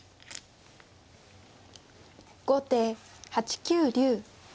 後手８九竜。